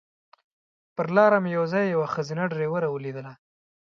پر لاره مې یو ځای یوه ښځینه ډریوره ولیدله.